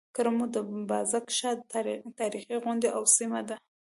کرمو د بازک شاه تاريخي غونډۍ او سيمه ده.